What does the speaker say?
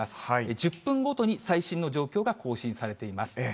１０分ごとに、最新の状況が更新されています。